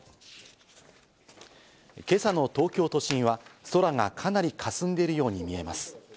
今朝の東京都心は空がかなりかすんでいるように見えます。